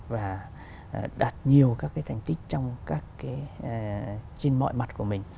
và đạt nhiều các cái thành tích trên mọi mặt của mình